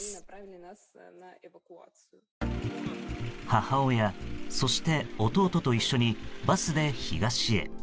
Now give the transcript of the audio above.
母親、そして弟と一緒にバスで東へ。